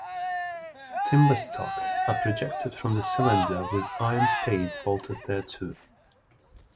Timber stocks are projected from the cylinder with iron spades bolted thereto.